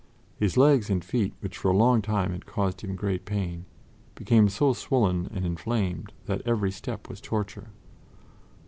His legs and feet, which for a long time had caused him great pain, became so swollen and inflamed that every step was torture.